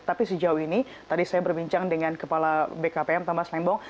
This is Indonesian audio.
tapi sejauh ini tadi saya berbincang dengan kepala bkpm thomas lembong